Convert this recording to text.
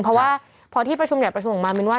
เพราะว่าพอที่ประชุมใหญ่ประชุมออกมามินว่า